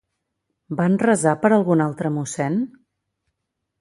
Van resar per algun altre mossèn?